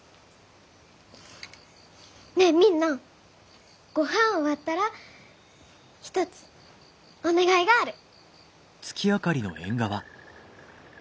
ねえみんなごはん終わったら一つお願いがある！